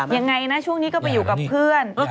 ยังไงนะช่วงนี้ก็ไปอยู่กับเพื่อน